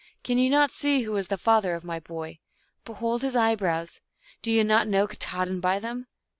Can you not see who was the father of my boy ? Behold his eyebrows ; do ye not know Katahdin by them